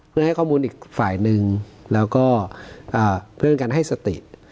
เพื่อให้ข้อมูลอีกฝ่ายหนึ่งแล้วก็เพื่อนกันให้สติ